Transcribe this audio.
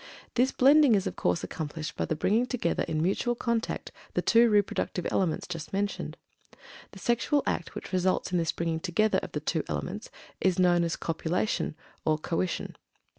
This blending is of course accomplished by the bringing together in mutual contact the two reproductive elements just mentioned. The sexual act which results in this "bringing together" of the two elements is known as "copulation," or "coition."